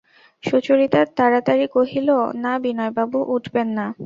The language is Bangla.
সুচরিতা তাড়াতাড়ি কহিল, না বিনয়বাবু, উঠবেন না।